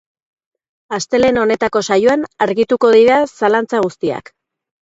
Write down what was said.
Astelehen honetako saioan argituko dira zalantza guztiak.